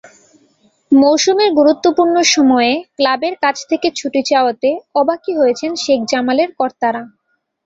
মৌসুমের গুরুত্বপূর্ণ সময়ে ক্লাবের কাছ থেকে ছুটি চাওয়াতে অবাকই হয়েছেন শেখ জামালের কর্তারা।